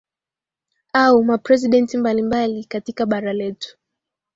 au mapresident mbali mbali katika katika bara letu